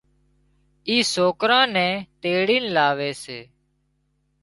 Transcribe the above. اي سوڪران نين تيڙين لاوي سي۔